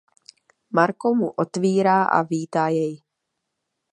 Marco mu otvírá a vítá jej.